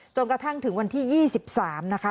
กระทั่งถึงวันที่๒๓นะคะ